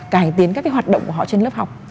cải tiến các cái hoạt động của họ trên lớp học